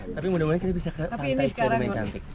tapi mudah mudahan kita bisa ke pantai